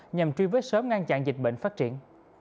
nhằm truy vết sớm ngăn chặn dịch bệnh phát triển